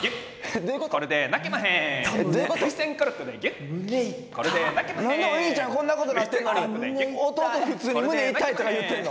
どういうこと？